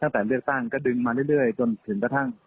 เพราะฉะนั้น